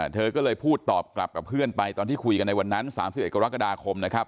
เธอก็เลยพูดตอบกลับกับเพื่อนไปตอนที่คุยกันในวันนั้น๓๑กรกฎาคมนะครับ